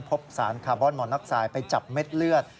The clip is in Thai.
พบสารคาร์บอนมอน็อกไซด์ไปจับเม็ดเลือด